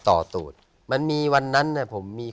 เก็บเงินซื้อพระองค์เนี่ยเก็บเงินซื้อพระองค์เนี่ย